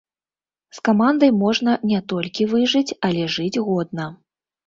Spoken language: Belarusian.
З камандай можна не толькі выжыць, але жыць годна.